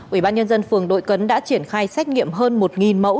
ủy ban nhân dân phường đội cấn đã triển khai xét nghiệm hơn một mẫu